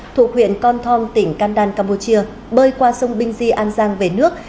thuộc huyện con thong tỉnh can đan campuchia bơi qua sông binh di an giang về nước